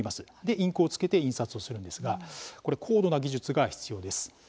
インクをつけて印刷をするんですがこれ高度な技術が必要です。